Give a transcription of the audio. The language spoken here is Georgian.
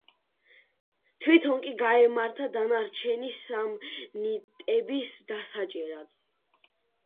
თვითონ კი გაემართა დანარჩენი სამნიტების დასაჭერად.